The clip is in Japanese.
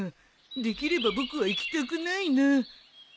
できれば僕は行きたくないな。ね？